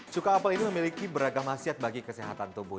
cuka apel ini memiliki beragam nasihat bagi kesehatan tubuh